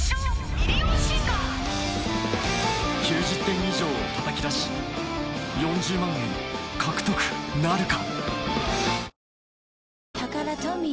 ミリオンシンガー』９０点以上をたたき出し４０万円獲得なるか？